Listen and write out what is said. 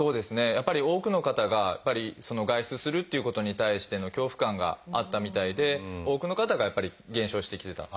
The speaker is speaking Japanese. やっぱり多くの方が外出するっていうことに対しての恐怖感があったみたいで多くの方がやっぱり減少してきてた。